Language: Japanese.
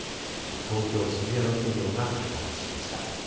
東京、渋谷の企業が開発しました。